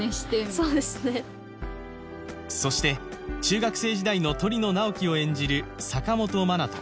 そうですねそして中学生時代の鳥野直木を演じる坂元愛登